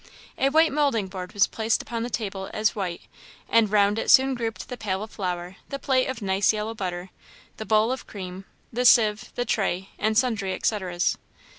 A white moulding board was placed upon a table as white; and round it soon grouped the pail of flour, the plate of nice yellow butter, the bowl of cream, the sieve, tray, and sundry etceteras.